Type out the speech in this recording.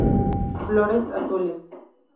Flores azules.